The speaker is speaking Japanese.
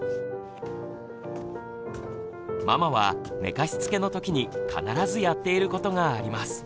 ママは寝かしつけの時に必ずやっていることがあります。